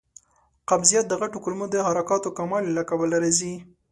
قبضیت د غټو کولمو د حرکاتو کموالي له کبله راځي.